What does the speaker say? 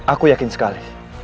aku yakin sekali